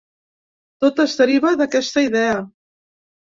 Tot es deriva d’aquesta idea.